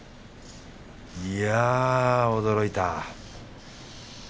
いやぁ驚いた。